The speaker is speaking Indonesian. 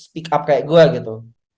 speak up kayak gue gitu